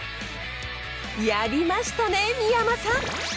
やりましたね三山さん！